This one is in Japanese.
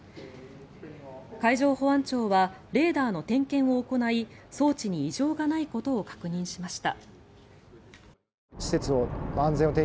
海上保安庁はレーダーの点検を行い装置に異常がないことを確認しました。